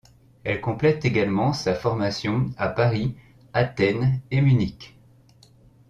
Elle complète également sa formation à Paris, Athènes et Munich.